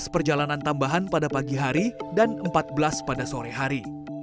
dua belas perjalanan tambahan pada pagi hari dan empat belas pada sore hari